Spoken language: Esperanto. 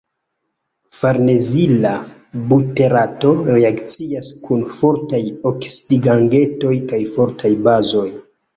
Farnezila buterato reakcias kun fortaj oksidigagentoj kaj fortaj bazoj.